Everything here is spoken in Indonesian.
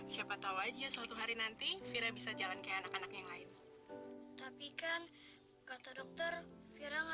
sampai jumpa di video selanjutnya